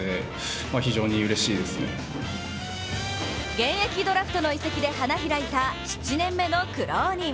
現役ドラフトの移籍で花開いた７年目の苦労人。